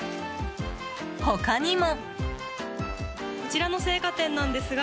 他にも。